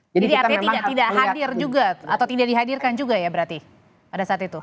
jadi artinya tidak hadir juga atau tidak dihadirkan juga ya berarti pada saat itu